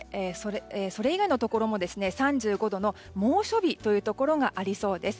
それ以外のところも３５度以上の猛暑日のところがありそうです。